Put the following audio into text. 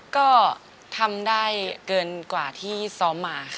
ก็ทำได้เกินกว่าที่ซ้อมมาค่ะ